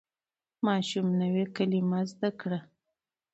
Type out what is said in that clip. ماشوم نوې کلمه زده کړه